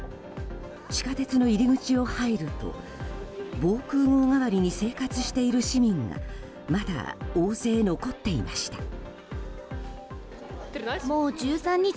地下鉄の入り口を入ると防空壕代わりに生活している市民がまだ大勢残っていました。